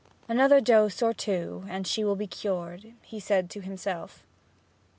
'Another dose or two, and she will be cured,' he said to himself.